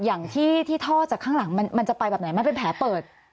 อย่างที่ท่อจากข้างหลังมันจะไปแบบไหนมันเป็นแผลเปิด